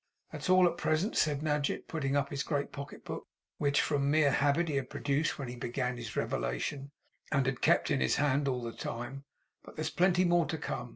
'That's all at present,' said Nadgett, putting up his great pocketbook, which from mere habit he had produced when he began his revelation, and had kept in his hand all the time; 'but there is plenty more to come.